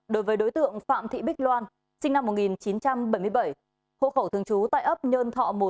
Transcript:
đối với đối tượng phạm thị bích loan sinh năm một nghìn chín trăm bảy mươi bảy hộ khẩu thường trú tại ấp nhơn thọ một